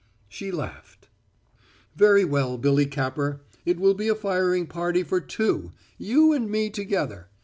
She laughed. "Very well, Billy Capper. It will be a firing party for two you and me together.